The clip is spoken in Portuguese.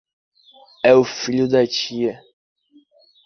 É o filho da tia